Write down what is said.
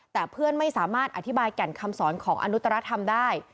แต่เพื่อนไม่สามารถอธิบายแก่นคำสอนของอนุตรธรรมได้